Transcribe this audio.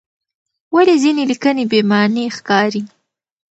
ولې ځینې لیکنې بې معنی ښکاري؟